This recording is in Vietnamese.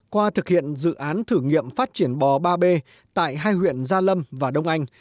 qua thực hiện dự án thử nghiệm phát triển bò ba b tại hai huyện gia lâm và đông anh